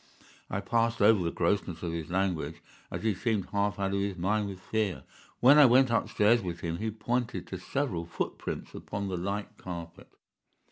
"I passed over the grossness of his language, as he seemed half out of his mind with fear. When I went upstairs with him he pointed to several footprints upon the light carpet.